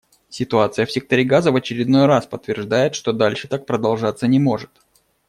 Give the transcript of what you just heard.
Ситуация в секторе Газа в очередной раз подтверждает, что дальше так продолжаться не может.